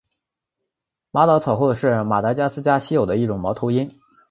马岛草鸮是马达加斯加稀有的一种猫头鹰。